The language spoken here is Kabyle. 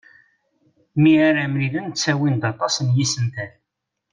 Mi ara mlilen ttawin-d aṭas n yisental.